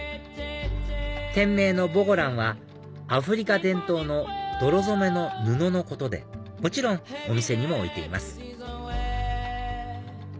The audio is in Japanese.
店名の「ボゴラン」はアフリカ伝統の泥染めの布のことでもちろんお店にも置いています